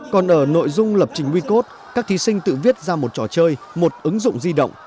còn ở nội dung lập trình wecode các thí sinh tự viết ra một trò chơi một ứng dụng di động